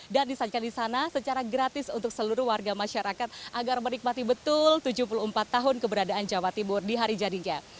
dan disajikan di sana secara gratis untuk seluruh warga masyarakat agar menikmati betul tujuh puluh empat tahun keberadaan jawa timur di hari jadinya